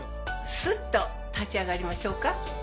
スッと立ち上がりましょうか。